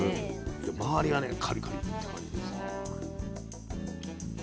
で周りがねカリカリッて感じです。